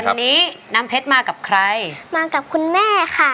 วันนี้น้ำเพชรมากับใครมากับคุณแม่ค่ะ